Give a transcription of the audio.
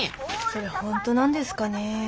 それ本当なんですかね？